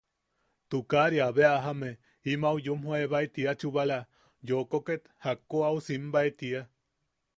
Tukaria abe a jajame, im au yumjoebae tiia chubala, yooko ket jakko au simbae tiia.